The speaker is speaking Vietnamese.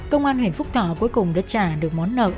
công an huỳnh phúc thỏ cuối cùng đã trả được món nợ